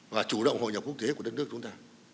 và chủ động hội nhập quốc tế của đất nước chúng ta